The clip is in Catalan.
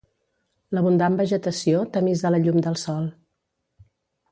L'abundant vegetació tamisa la llum del sol.